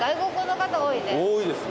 多いです。